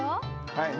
はい！